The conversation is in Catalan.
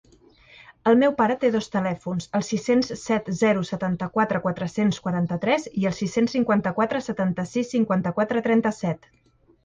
El meu pare té dos telèfons: el sis-cents set zero setanta-quatre quatre-cents quaranta-tres i el sis-cents cinquanta-quatre setanta-sis cinquanta-quatre trenta-set.